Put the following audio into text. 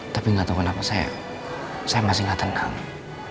tapi gak tau kenapa saya masih ngatan gang